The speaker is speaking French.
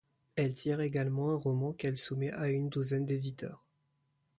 Elle en tire également un roman qu’elle soumet à une douzaine d’éditeurs.